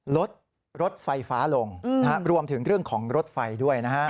รถรถไฟฟ้าลงรวมถึงเรื่องของรถไฟด้วยนะฮะ